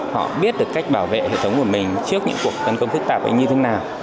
họ biết được cách bảo vệ hệ thống của mình trước những cuộc tấn công phức tạp như thế nào